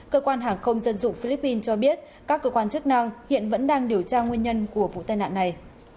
cơ quan hàng không dân dụng philippines cho biết các cơ quan chức năng hiện vẫn đang điều tra nguyên nhân của vụ tai nạn này